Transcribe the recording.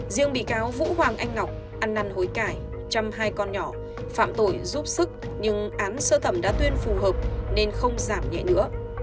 riêng bị cáo vũ hoàng anh ngọc ăn năn hối cải chăm hai con nhỏ phạm tội giúp sức nhưng án sơ thẩm đã tuyên phù hợp nên không giảm nhẹ nữa